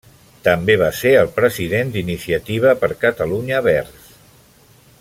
També va ser el president d'Iniciativa per Catalunya Verds.